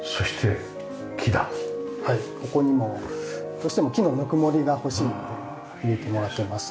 どうしても木のぬくもりが欲しいので入れてもらってます。